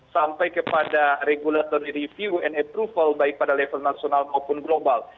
sampai kepada regulatory review and approval baik pada level nasional maupun global